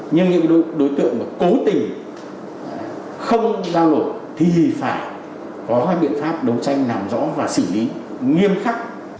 nhưng những đối tượng mà cố tình không giao nổ thì phải có hai biện pháp đấu tranh nằm rõ và xử lý nghiêm khắc